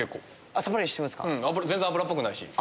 全然脂っぽくないし。